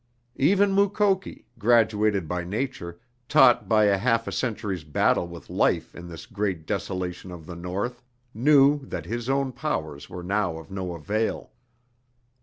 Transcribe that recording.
Even Mukoki, graduated by Nature, taught by half a century's battle with life in this great desolation of the North, knew that his own powers were now of no avail.